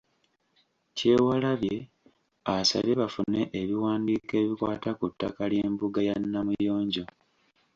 Kyewalabye asabye bafune ebiwandiiko ebikwata ku ttaka ly'embuga ya Namuyonjo.